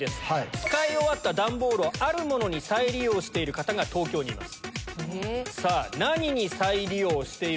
使い終わった段ボールをあるものに再利用している方が東京にいます。